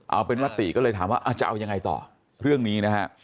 เอาเป็นมติก็เลยถามว่าจะเอายังไงต่อเรื่องนี้นะฮะ